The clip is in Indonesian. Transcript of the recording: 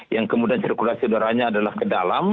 yang kemudian sirkulasi udaranya adalah ke dalam